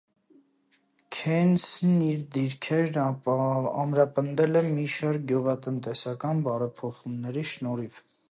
Քերնսն իր դիրքերն ամրապնդել է մի շարք գյուղատնտեսական բարեփոխումների շնորհիվ։